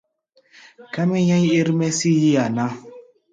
Ká mɛ́ nyɛ̧́í̧ ér-mɛ́ sí yí-a ná.